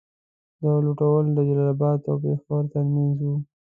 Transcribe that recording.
دا لوټول د جلال اباد او پېښور تر منځ وو.